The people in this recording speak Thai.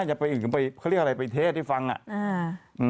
อย่าไปอื่นเขาเรียกอะไรไปเทศที่ฟังอ่ะ